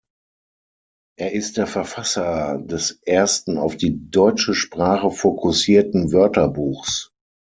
Er ist der Verfasser des ersten auf die deutsche Sprache fokussierten Wörterbuchs.